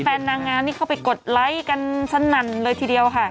แฟนมะนาวเขาไปกดไลค์กันสั้นนานเลยทีเดียวค่ะ